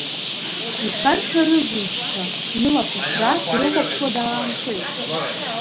Исарҳәарызеишь ҳәа илақәа ҭраа дрыхәаԥшуа даанхеит.